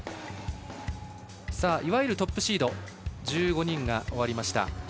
いわゆるトップシード１５人が終わりました。